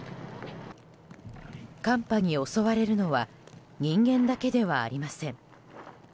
寒波に襲われるのは人間だけではありません。